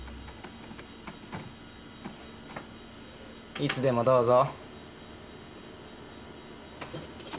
いつでもどうぞ。